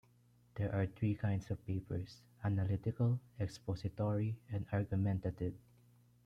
There are three kinds of papers: analytical, expository, and argumentative.